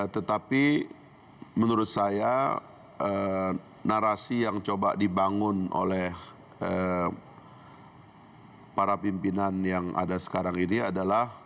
tetapi menurut saya narasi yang coba dibangun oleh para pimpinan yang ada sekarang ini adalah